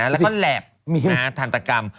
แล้วก็แลบธรรมกรรม